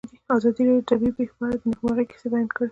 ازادي راډیو د طبیعي پېښې په اړه د نېکمرغۍ کیسې بیان کړې.